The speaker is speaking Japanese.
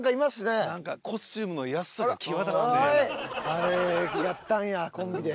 あれやったんやコンビで。